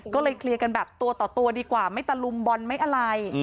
ก็เลยเคลียร์กันแบบตัวต่อตัวดีกว่าไม่ตะลุมบอลไม่อะไร